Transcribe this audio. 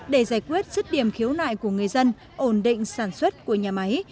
để giải quyết rứt điểm khiếu nại của người dân ổn định sản xuất của nhà máy